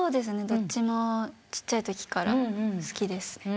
どっちもちっちゃいときから好きです。